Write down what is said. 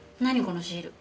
このシール。